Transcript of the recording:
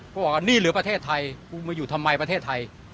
บอกว่านี่เหลือประเทศไทยกูมาอยู่ทำไมประเทศไทย